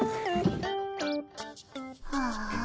ああ。